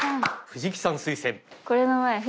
藤木さん推薦。